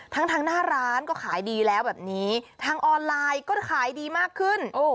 ทั้งทางหน้าร้านก็ขายดีแล้วแบบนี้ทางออนไลน์ก็ขายดีมากขึ้น